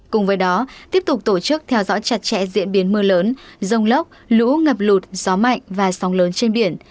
cùng với đó tiếp tục tổ chức theo dõi chặt chẽ diễn biến mưa lớn rông lốc lũ ngập lụt gió mạnh và sóng lớn trên biển